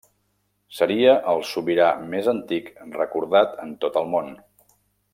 Seria el sobirà més antic recordat en tot el món.